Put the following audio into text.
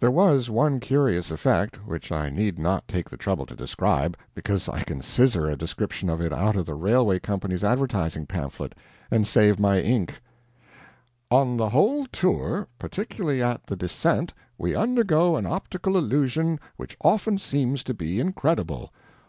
There was one curious effect, which I need not take the trouble to describe because I can scissor a description of it out of the railway company's advertising pamphlet, and save my ink: "On the whole tour, particularly at the Descent, we undergo an optical illusion which often seems to be incredible.